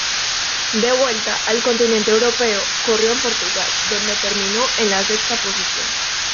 De vuelta al continente europeo, corrió en Portugal donde terminó en la sexta posición.